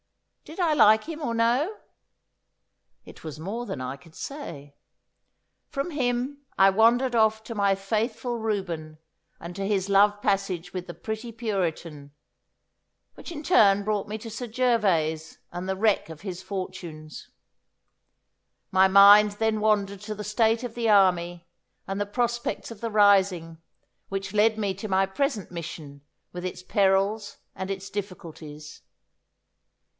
Did I like him or no? It was more than I could say. From him I wandered off to my faithful Reuben, and to his love passage with the pretty Puritan, which in turn brought me to Sir Gervas and the wreck of his fortunes. My mind then wandered to the state of the army and the prospects of the rising, which led me to my present mission with its perils and its difficulties.